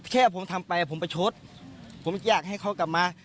แค่ผมทำไปผมประชดผมอยากให้เขากลับมา